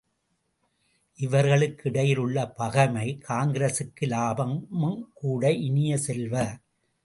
இவர்களுக்கிடையில் உள்ள பகைமை காங்கிரசுக்கு இலாபமும் கூட இனிய செல்வ!